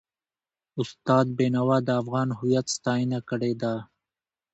استاد بینوا د افغان هویت ستاینه کړې ده.